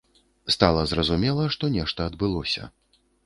Стала зразумела, што нешта адбылося.